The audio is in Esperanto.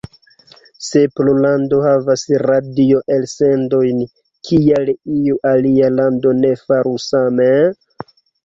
Se Pollando havas radio-elsendojn, kial iu alia lando ne faru same?